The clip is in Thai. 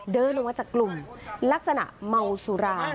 เดินออกมาจากกลุ่มลักษณะเมาสุรา